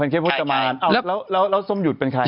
พันเค้กพจมานแล้วซมหยุดเป็นใคร